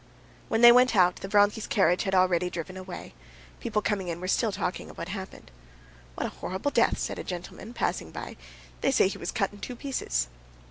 When they went out the Vronsky's carriage had already driven away. People coming in were still talking of what happened. "What a horrible death!" said a gentleman, passing by. "They say he was cut in two pieces."